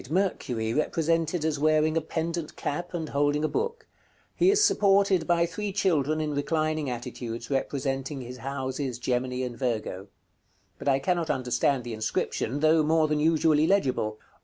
_ Mercury, represented as wearing a pendent cap, and holding a book: he is supported by three children in reclining attitudes, representing his houses Gemini and Virgo. But I cannot understand the inscription, though more than usually legible.